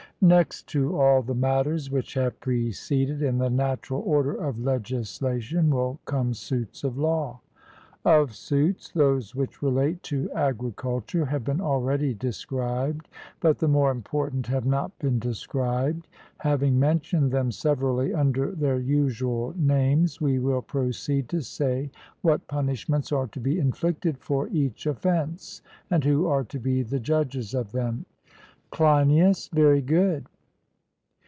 Next to all the matters which have preceded in the natural order of legislation will come suits of law. Of suits those which relate to agriculture have been already described, but the more important have not been described. Having mentioned them severally under their usual names, we will proceed to say what punishments are to be inflicted for each offence, and who are to be the judges of them. CLEINIAS: Very good.